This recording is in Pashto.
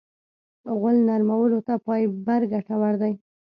غول نرمولو ته فایبر ګټور دی.